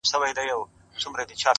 وه كلي ته زموږ راځي مـلـنگه ككـرۍ،